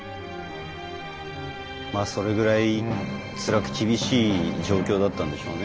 まあそれぐらいつらく厳しい状況だったんでしょうね。